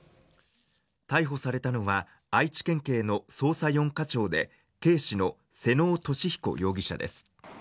逮捕されたのは、愛知県警の捜査４課長で、警視の妹尾利彦容疑者です。